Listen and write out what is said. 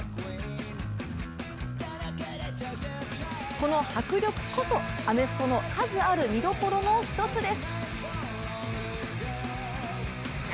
この迫力こそ、アメフトの数ある見どころの一つです。